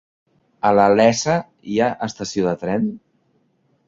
A la Iessa hi ha estació de tren?